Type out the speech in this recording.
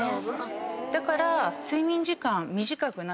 だから。